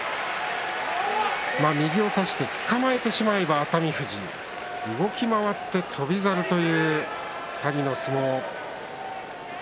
右を差してつかまえてしまえば熱海富士動き回って翔猿という２人の相撲です。